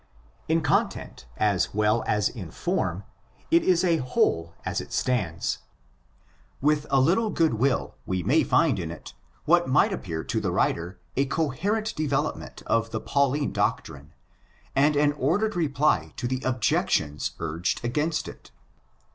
In content as well as in form it is a whole as it stands. With a little goodwill we may find in it what might appear to the writer a coherent develop ment of the Pauline doctrine, and an ordered reply to the objections urged against it.